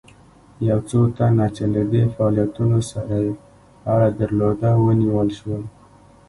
یو څو تنه چې له دې فعالیتونو سره یې اړه درلوده ونیول شول.